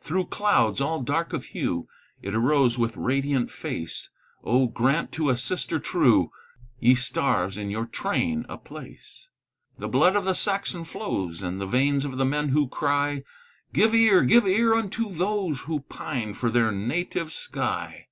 Through clouds, all dark of hue, It arose with radiant face; Oh, grant to a sister true, Ye stars, in your train a place! The blood of the Saxon flows In the veins of the men who cry, "Give ear, give ear unto those Who pine for their native sky!